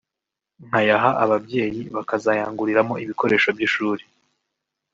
nkayaha ababyeyi bakazayanguriramo ibikoresho by’ishuri